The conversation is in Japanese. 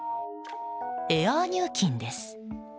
エア入金です。